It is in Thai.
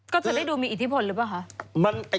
ก็จะได้ดูมีอิทธิพลหรือเปล่าคะ